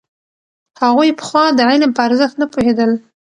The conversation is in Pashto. هغوی پخوا د علم په ارزښت نه پوهېدل.